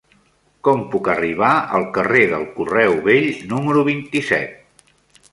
Com puc arribar al carrer del Correu Vell número vint-i-set?